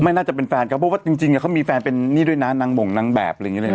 น่าจะเป็นแฟนเขาเพราะว่าจริงเขามีแฟนเป็นนี่ด้วยนะนางบ่งนางแบบอะไรอย่างนี้เลยนะ